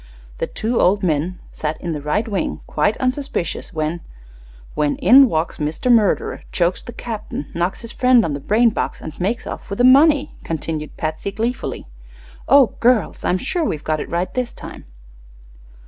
The two old men sat in the right wing, quite unsuspicious, when " "When in walks Mr. Murderer, chokes the captain, knocks his friend on the brain box, and makes off with the money!" continued Patsy, gleefully. "Oh, girls, I'm sure we've got it right this time."